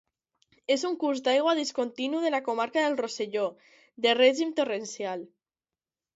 És un curs d'aigua discontinu de la comarca del Rosselló, de règim torrencial.